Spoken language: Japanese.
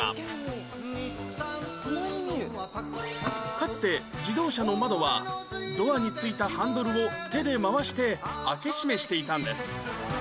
かつて自動車の窓はドアに付いたハンドルを手で回して開け閉めしていたんです